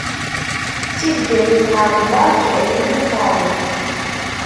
Si Bgayet ɣer Lberǧ, ay ul-iw ferreǧ!